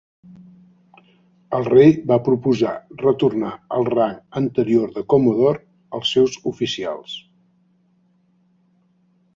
El Rei va proposar retornar el rang anterior de "comodor" als seus oficials.